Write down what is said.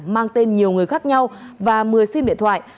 mang tên nhiều người khác nhau và một mươi sim điện thoại